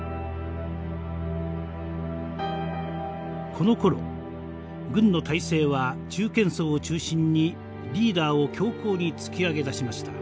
このころ軍の大勢は中堅層を中心にリーダーを強硬に突き上げだしました。